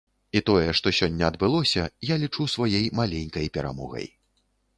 І тое, што сёння адбылося, я лічу сваёй маленькай перамогай.